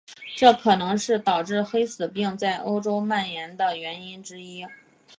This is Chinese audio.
这可能是导致黑死病在欧洲蔓延的原因之一。